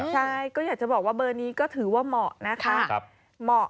ใช่ก็อยากจะบอกว่าเบอร์นี้ก็ถือว่าเหมาะนะคะเหมาะ